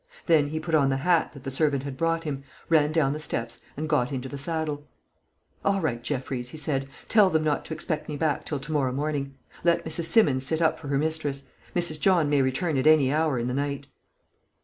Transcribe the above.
Then he put on the hat that the servant had brought him, ran down the steps, and got into the saddle. "All right, Jeffreys," he said; "tell them not to expect me back till to morrow morning. Let Mrs. Simmons sit up for her mistress. Mrs. John may return at any hour in the night."